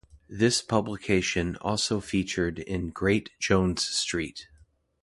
This publication also featured in "Great Jones Street".